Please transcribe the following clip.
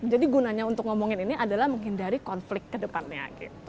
jadi gunanya untuk ngomongin ini adalah menghindari konflik kedepannya